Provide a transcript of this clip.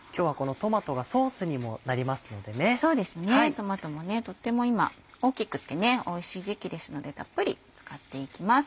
トマトもとっても今大きくっておいしい時期ですのでたっぷり使っていきます。